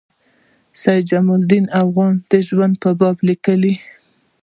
د سید جمال الدین افغاني د ژوند په باب لیکي.